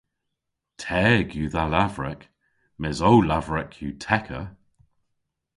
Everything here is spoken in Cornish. Teg yw dha lavrek mes ow lavrek yw tekka!